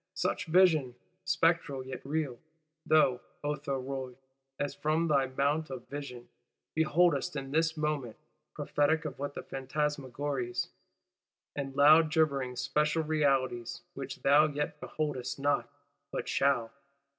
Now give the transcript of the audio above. Such vision (spectral yet real) thou, O Thuriot, as from thy Mount of Vision, beholdest in this moment: prophetic of what other Phantasmagories, and loud gibbering Spectral Realities, which, thou yet beholdest not, but shalt!